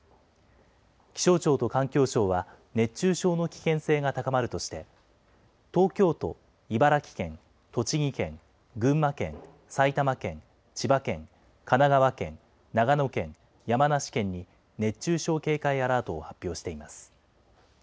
気象庁と環境省は、熱中症の危険性が高まるとして、東京都、茨城県、栃木県、群馬県、埼玉県、千葉県、神奈川県、長野県、山梨県に、熱中症警戒アラートを発表しています。